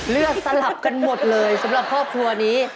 สลับกันหมดเลยสำหรับครอบครัวนี้